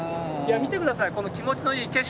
見てください、この気持ちのいい景色。